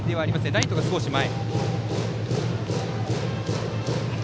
ライトが少し前。